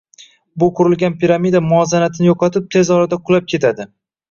bu qurilgan piramida muvozanatini yo’qotib tez orada qulab ketadi